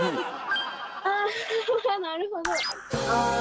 あぁなるほど。